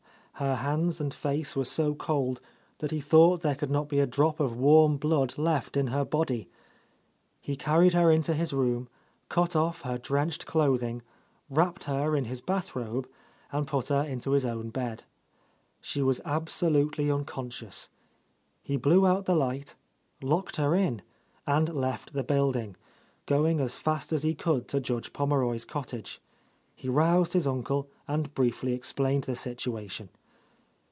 Her hands and face were so cold that he thought there could —I. '14— A Lost Lady not be a drop of warm blood left in her body. He carried her into his room, cut off her drenched clothing, wrapped her in his bathrobe and put her into his own bed. She was absolutely uncon scious. He blew out the light, locked her in, and left the building, going as fast as he could to Judge Pommeroy's cottage. He roused his uncle and briefly explained the situation.